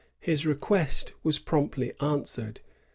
His request was promptly answered.